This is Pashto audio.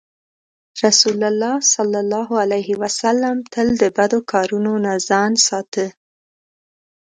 رسول الله ﷺ تل د بدو کارونو نه ځان ساته.